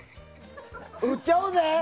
売っちゃおうぜ！